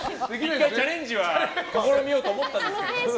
１回チャレンジは試みようと思ったんですけど。